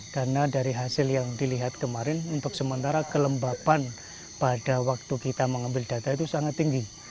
karena dari hasil yang dilihat kemarin untuk sementara kelembapan pada waktu kita mengambil data itu sangat tinggi